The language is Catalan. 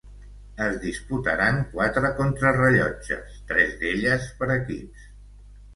Es disputaren quatre contrarellotges, tres d'elles per equips.